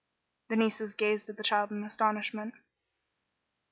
The nieces gazed at the child in astonishment.